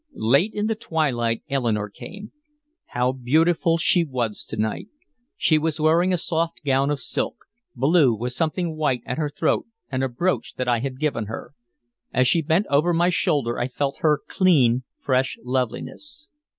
Late in the twilight Eleanore came. How beautiful she was to night. She was wearing a soft gown of silk, blue with something white at her throat and a brooch that I had given her. As she bent over my shoulder I felt her clean, fresh loveliness.